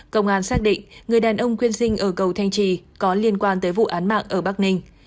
công an xác định người đàn ông quyên sinh ở cầu thanh trì có liên quan tới vụ án mạng ở bắc ninh